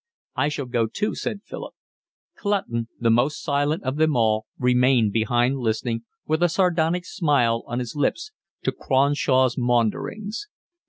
"I shall go too," said Philip. Clutton, the most silent of them all, remained behind listening, with a sardonic smile on his lips, to Cronshaw's maunderings.